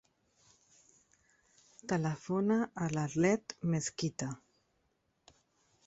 Telefona a l'Arlet Mezquita.